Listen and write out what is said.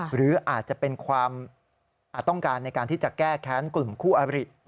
หรืออาจจะเป็นความอาจต้องการในการที่จะแก้แค้นกลุ่มคู่อบริ